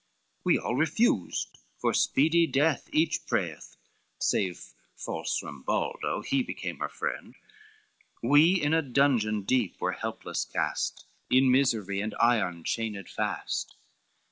We all refused, for speedy death each prayeth, Save false Rambaldo, he became her friend, We in a dungeon deep were helpless cast, In misery and iron chained fast.